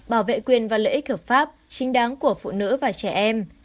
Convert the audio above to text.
bảo vệ quyền và lợi ích hợp pháp chính đáng của phụ nữ và trẻ em